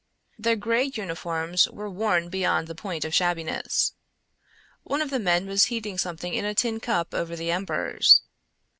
Their gray uniforms were worn beyond the point of shabbiness. One of the men was heating something in a tin cup over the embers.